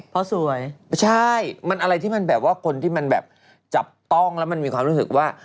เพราะสวยใช่มันอะไรที่มันแบบว่าคนที่มันแบบจับต้องแล้วมันมีความรู้สึกว่า